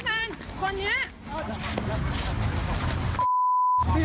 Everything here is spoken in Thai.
ปิดโค้กทำไม